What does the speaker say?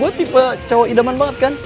wah tipe cowok idaman banget kan